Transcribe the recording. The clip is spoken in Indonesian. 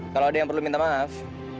kalau ada yang perlu minta maaf